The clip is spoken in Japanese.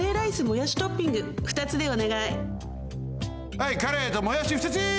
あいカレーともやしふたつ！